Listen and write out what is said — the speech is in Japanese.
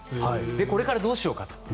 これからどうしようかと。